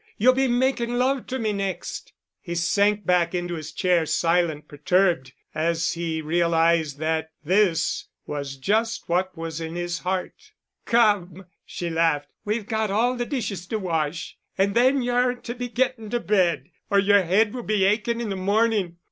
You'll be making love to me next." He sank back into his chair, silent, perturbed, as he realized that this was just what was in his heart. "Come," she laughed, "we've got all the dishes to wash. And then you're to be getting to bed, or your head will be aching in the morning.